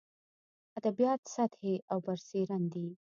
ادبیات سطحي او برسېرن دي.